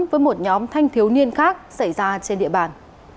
với một nhóm thanh thiếu niên khác xảy ra trên địa bàn